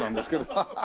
ハハハ。